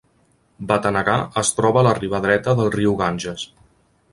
Batanagar es troba a la riba dreta del riu Ganges.